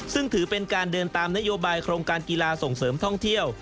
ซึ่งถือเป็นการเดินตามนโยบายโครงการกีฬาส่งเสริมท่องเที่ยว